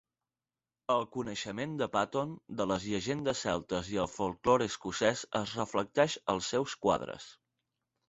El coneixement de Paton de les llegendes celtes i el folklore escocès es reflecteix als seus quadres.